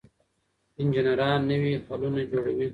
انجنیران نوي حلونه جوړوي.